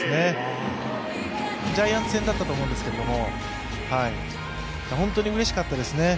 ジャイアンツ戦だったと思うんですけど、本当にうれしかったですね